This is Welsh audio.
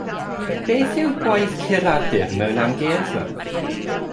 Beth yw gwaith curadur mewn amgueddfa?